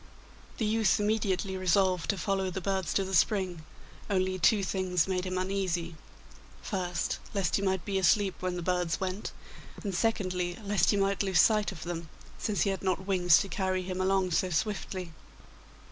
The youth immediately resolved to follow the birds to the spring, only two things made him uneasy: first, lest he might be asleep when the birds went, and secondly, lest he might lose sight of them, since he had not wings to carry him along so swiftly.